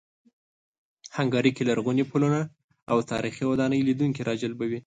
هنګري کې لرغوني پلونه او تاریخي ودانۍ لیدونکي راجلبوي.